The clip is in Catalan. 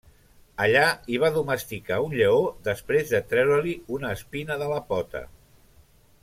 Allà hi va domesticar un lleó després de treure-li una espina de la pota.